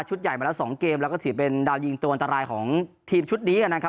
ชุดใหญ่มาละสองเกมแล้วก็ถือเป็นดาวน์ยิงตัวนะรายของทีมชุดนี้แหละนะครับ